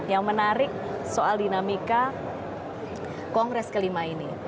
yang menarik soal dinamika kongres ke lima ini